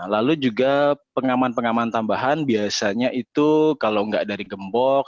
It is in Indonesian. lalu juga pengaman pengaman tambahan biasanya itu kalau nggak dari gembok